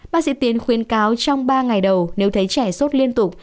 bác sĩ tiến khuyên cáo trong ba ngày đầu nếu thấy trẻ sốt liên tục